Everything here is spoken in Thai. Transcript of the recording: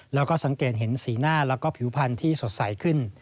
แล้วก็สังเกตเห็นสีหน้าแล้วก็ผิวพันธุ์ที่สดใสขึ้น